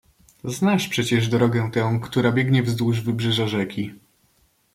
"Znasz przecież drogę tę, która biegnie wzdłuż wybrzeża rzeki."